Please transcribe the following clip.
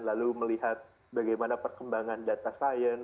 lalu melihat bagaimana perkembangan data science